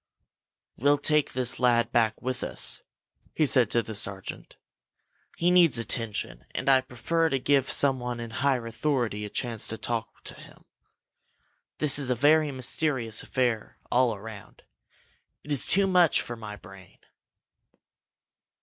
"We'll take this lad back with us," he said to the sergeant. "He needs attention, and I prefer to give someone in higher authority a chance to talk to him. This is a very mysterious affair, all around. It is too much for my brain!"